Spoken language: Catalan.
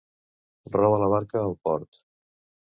Roba la barca al port.